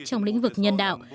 trong lĩnh vực nhân đạo